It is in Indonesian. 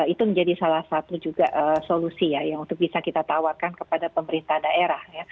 itu menjadi salah satu juga solusi ya yang untuk bisa kita tawarkan kepada pemerintah daerah